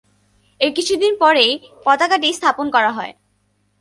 এর কিছুদিন পরেই পতাকাটি প্রতিস্থাপন করা হয়।